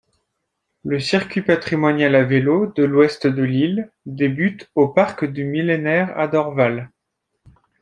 Le Circuit patrimonial à vélo de l'Ouest-de-l'Île débute au parc du Millénaire à Dorval.